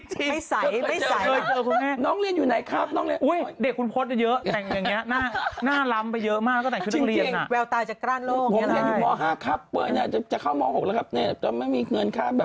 จากเมืองไทยสิจากเมืองไทยสิจากเมืองไทยสิจากเมืองไทยสิจากเมืองไทยสิจากเมืองไทยสิจากเมืองไทยสิ